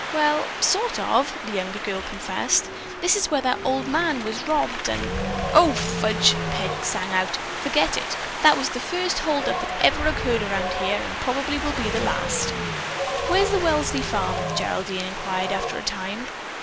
"Well, sort of," the younger girl confessed. "This is where that old man was robbed, and——" "O, fudge," Peg sang out. "Forget it! That was the first holdup that ever occurred around here, and probably will be the last." "Where is the Welsley farm?" Geraldine inquired after a time.